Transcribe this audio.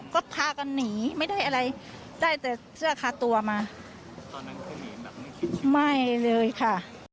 ก็พากันหนีไม่ได้อะไรได้แต่เสื้อคาตัวมาไม่เลยค่ะ